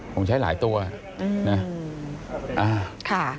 ผมใช้หลายตัวนะ